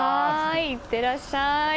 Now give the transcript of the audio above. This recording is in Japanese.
いってらっしゃい。